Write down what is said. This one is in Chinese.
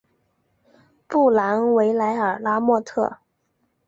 布兰维莱尔拉莫特。